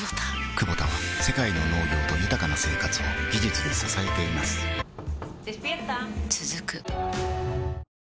クボタは世界の農業と豊かな生活を技術で支えています起きて。